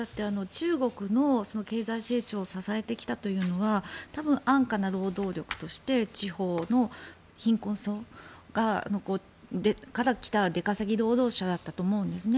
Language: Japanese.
中国の経済成長を支えてきたのは多分、安価な労働力として地方の貧困層から来た出稼ぎ労働者だったと思うんですね。